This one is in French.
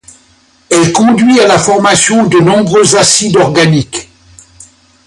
Elle conduit à la formation de nombreux acides organiques.